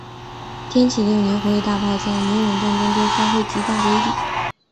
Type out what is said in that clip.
天启六年红夷大炮在宁远之战中发挥极大威力。